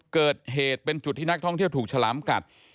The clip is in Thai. เกิดเหตุเป็นจุดที่นักท่องเที่ยวถูกฉลามกัด